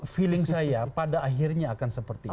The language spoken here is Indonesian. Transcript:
feeling saya pada akhirnya akan seperti itu